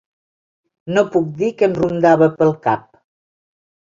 No puc dir què em rondava pel cap.